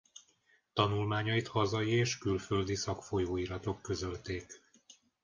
Tanulmányait hazai és külföldi szakfolyóiratok közölték.